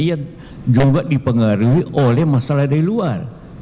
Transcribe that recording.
yang juga dipengaruhi oleh masalah dari luar